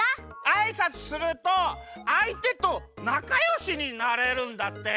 あいさつするとあいてとなかよしになれるんだって。